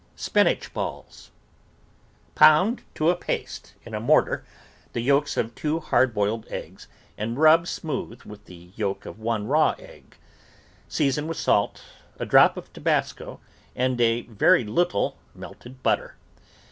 SPINACH BALLS Pound to a paste in a mortar the yolks of two hard boiled eggs and rub smooth with the yolk of one raw egg; season with salt, a drop of tabasco, and a very little melted butter.